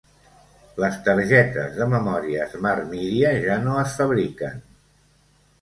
Les targetes de memòria SmartMedia ja no es fabriquen.